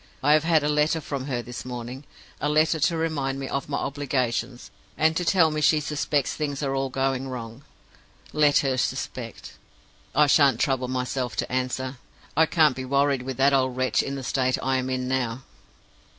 I have had a letter from her this morning a letter to remind me of my obligations, and to tell me she suspects things are all going wrong. Let her suspect! I shan't trouble myself to answer; I can't be worried with that old wretch in the state I am in now.